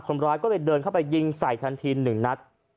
คนร้ายก็เลยเดินเข้าไปยิงใส่ทันที๑นัด